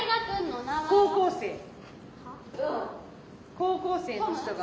高校生の人が。